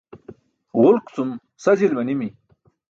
Ġulk cum sa jil manimi.